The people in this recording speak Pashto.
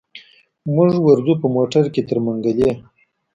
موږ ورځو په موټر کي تر منګلي.